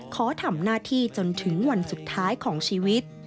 ขอทำหน้าที่จนถึงวันสุดท้ายของชีวิต